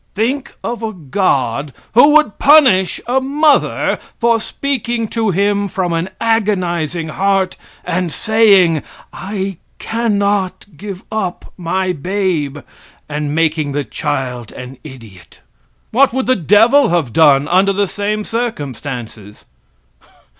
Think of a God who would punish a mother for speaking to Him from an agonizing heart and saying, "I cannot give up my babe," and making the child an idiot. What would the devil have done under the same circumstances?